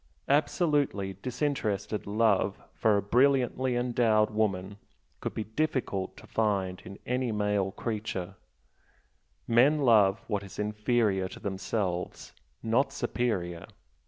Absolutely disinterested love for a brilliantly endowed woman would be difficult to find in any male nature, men love what is inferior to themselves, not superior.